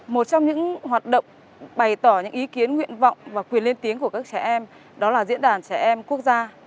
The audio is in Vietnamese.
một trong những hoạt động bày tỏ những ý kiến nguyện vọng và quyền lên tiếng của các trẻ em đó là diễn đàn trẻ em quốc gia